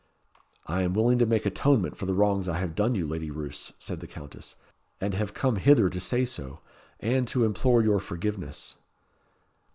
"I am willing to make atonement for the wrongs I have done you, Lady Roos," said the Countess, "and have come hither to say so, and to implore your forgiveness."